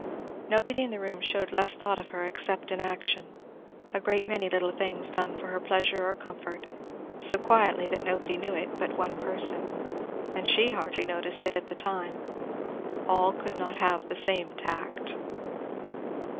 Nobody in the room shewed less thought of her except in action; a great many little things done for her pleasure or comfort, so quietly that nobody knew it but one person, and she hardly noticed it at the time. All could not have the same tact.